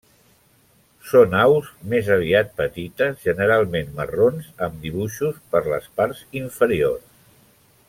Són aus més aviat petites, generalment marrons amb dibuixos per les parts inferiors.